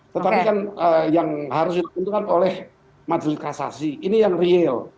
tetapi kan yang harus ditentukan oleh majelis kasasi ini yang real